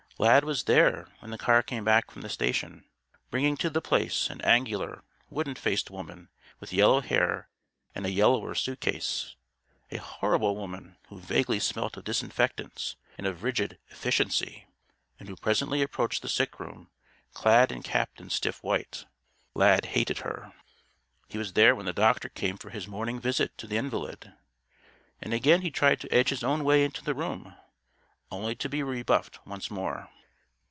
Lad was there when the car came back from the station, bringing to The Place an angular, wooden faced woman with yellow hair and a yellower suitcase a horrible woman who vaguely smelt of disinfectants and of rigid Efficiency, and who presently approached the sick room, clad and capped in stiff white. Lad hated her. He was there when the doctor came for his morning visit to the invalid. And again he tried to edge his own way into the room, only to be rebuffed once more.